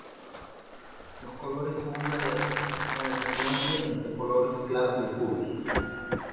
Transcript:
Los colores son muy variados, con alternancia entre colores claros y oscuros.